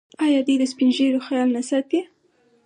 آیا دوی د سپین ږیرو خیال نه ساتي؟